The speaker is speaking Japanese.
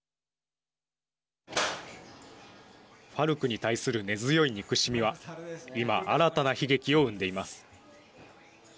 ＦＡＲＣに対する根強い憎しみは今、新たな悲劇を生んでいます。